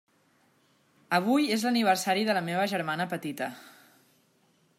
Avui és l'aniversari de la meva germana petita.